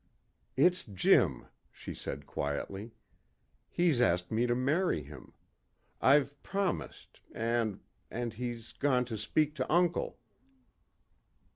"It's Jim," she said quietly. "He's asked me to marry him. I've promised and and he's gone to speak to uncle."